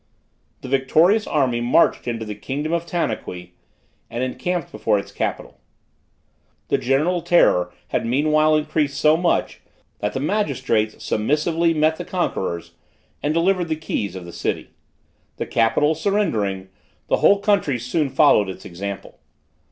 The victorious army marched into the kingdom of Tanaqui and encamped before its capital. The general terror had meanwhile increased so much, that the magistrates submissively met the conquerors and delivered the keys of the city. The capital surrendering, the whole country soon followed its example.